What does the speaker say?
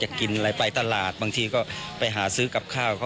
ถึงแบบก็ต้องคิดว่าจะขังแล้ว